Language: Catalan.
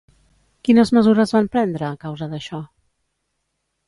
Quines mesures van prendre a causa d'això?